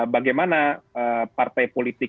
bagaimana partai politik